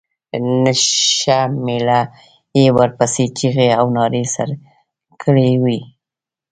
نشه مېړه یې ورپسې چيغې او نارې سر کړې وې.